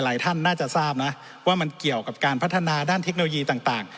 ท่านน่าจะทราบนะว่ามันเกี่ยวกับการพัฒนาด้านเทคโนโลยีต่าง